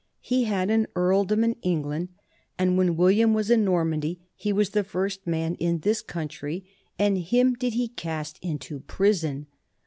He had an earldom in England, and when William was in Normandy he was the first man in this coun try, and him did he cast into prison.